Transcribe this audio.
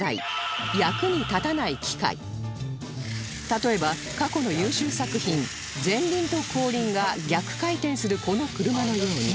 例えば過去の優秀作品前輪と後輪が逆回転するこの車のように